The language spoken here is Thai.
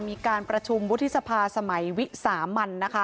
มีการประชุมวุฒิสภาสมัยวิสามันนะคะ